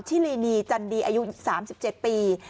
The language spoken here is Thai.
ชิลีนีจันดีอายุ๓๗ปี